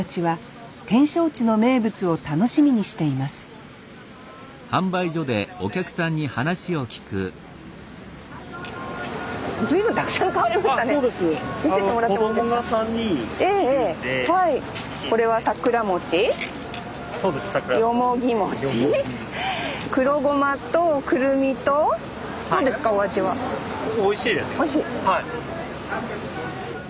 はい。